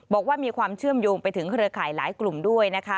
บอกว่ามีความเชื่อมโยงไปถึงเครือข่ายหลายกลุ่มด้วยนะคะ